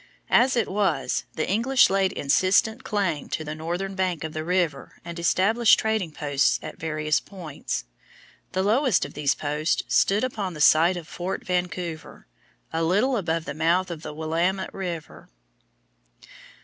As it was, the English laid insistent claim to the northern bank of the river and established trading posts at various points. The lowest of these posts stood upon the site of Fort Vancouver, a little above the mouth of the Willamette River.